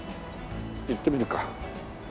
行ってみるか。